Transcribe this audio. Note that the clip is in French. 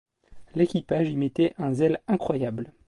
L’équipage y mettait un zèle incroyable.